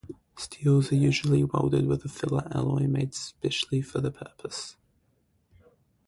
Steels are usually welded with a filler alloy made specially for the purpose.